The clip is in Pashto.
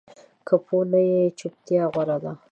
که پوه نه یې، چُپتیا غوره ده